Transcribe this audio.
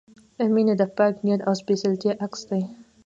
• مینه د پاک نیت او سپېڅلتیا عکس دی.